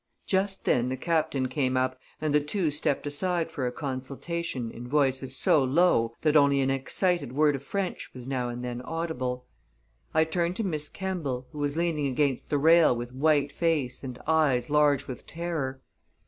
Just then the captain came up, and the two stepped aside for a consultation in voices so low that only an excited word of French was now and then audible. I turned to Miss Kemball, who was leaning against the rail with white face and eyes large with terror.